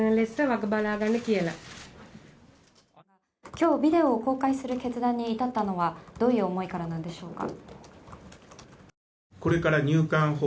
今日ビデオを公開する決断に至ったのはどういう思いからなんでしょうか？